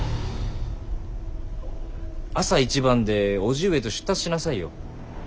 朝一番で叔父上と出立しなさいよ。